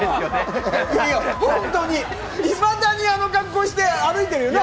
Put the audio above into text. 本当にいまだにあの格好をして歩いてるよな。